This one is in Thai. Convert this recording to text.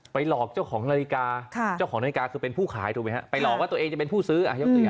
ไปหลอกเจ้าของนาฬิกาคือเป็นผู้ขายหลอกว่าตัวเองจะเป็นผู้ซื้อ